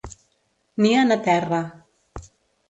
Nien a terra.